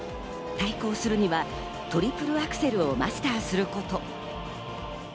対抗するにはトリプルアクセルをマスターすること。